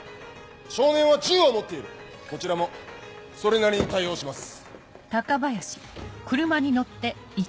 少年は銃を持っているこちらもそれなりに対応します。